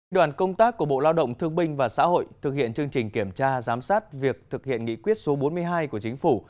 đoàn công tác của bộ lao động thương binh và xã hội thực hiện chương trình kiểm tra giám sát việc thực hiện nghị quyết số bốn mươi hai của chính phủ